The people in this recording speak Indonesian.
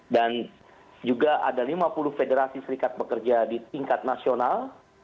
dan juga ada lima puluh federasi serikat pekerja di tingkat nasional